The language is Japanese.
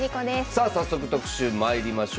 さあ早速特集まいりましょう。